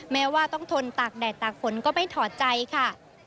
แม้ว่าต้องทนตากแดดตากฝนก็ไม่ถอดใจค่ะ